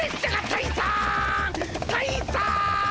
・たいさん！